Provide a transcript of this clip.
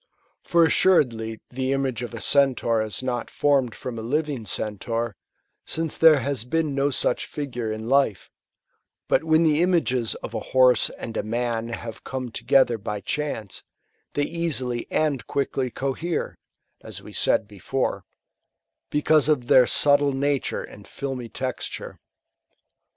For assuredly the image of a Centaur is not formed from a living Centaur, since there has been no such figure in life; but when the images of a horse and a man haT« come together by chance, they easily and quickly cohere, (as we said before,) because of their subtle nature and filmy texture.